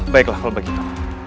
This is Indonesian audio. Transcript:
baiklah kalau begitu